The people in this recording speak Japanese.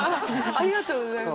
ありがとうございます。